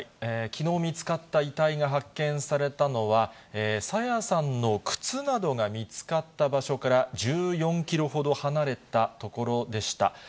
きのう見つかった遺体が発見されたのは、朝芽さんの靴などが見つかった場所から１４キロほど離れた所でした。